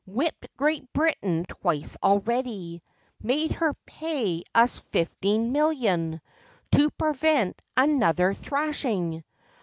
Whipped Great Britain twice already! Made her pay us fifteen million To prevent another thrashing